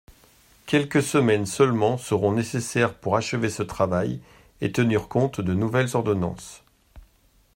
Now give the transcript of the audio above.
Quelques semaines seulement seront nécessaires pour achever ce travail et tenir compte des nouvelles ordonnances.